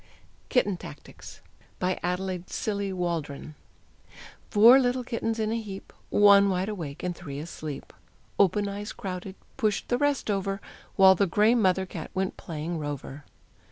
KITTEN TACTICS. BY ADELAIDE CILLEY WALDRON. Four little kittens in a heap, One wide awake and three asleep. Open eyes crowded, pushed the rest over, While the gray mother cat went playing rover.